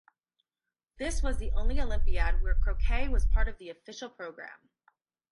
This was the only Olympiad where croquet was part of the official programme.